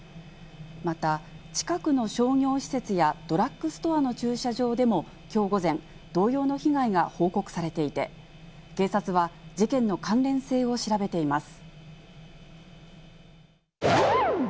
また、近くの商業施設やドラッグストアの駐車場でも、きょう午前、同様の被害が報告されていて、警察は事件の関連性を調べています。